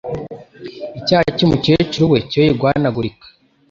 icyaha cy’umukecuru we cyoye guhanagurika